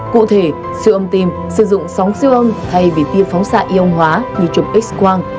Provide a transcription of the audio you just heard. cụ thể siêu âm tim sử dụng sóng siêu âm thay vì tiêm phóng xạ y âm hóa như chụp x quang